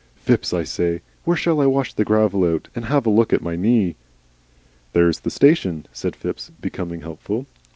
"Phipps, I say, where shall I wash the gravel out? And have a look at my knee?" "There's the station," said Phipps, becoming helpful.